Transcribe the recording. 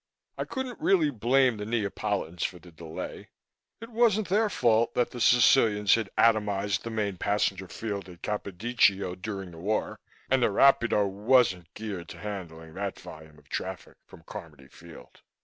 I couldn't really blame the Neapolitans for the delay it wasn't their fault that the Sicilians had atomized the main passenger field at Capodichino during the war, and the rapido wasn't geared to handling that volume of traffic from Carmody Field.